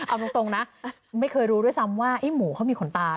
เอาตรงนะไม่เคยรู้ด้วยซ้ำว่าไอ้หมูเขามีขนตา